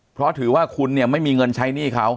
เพราะถือว่าคุณเนี่ยไม่มีเงินใช้หนี้เขา